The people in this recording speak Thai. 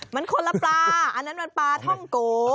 มันคนละปลาอันนั้นมันปลาท่องโก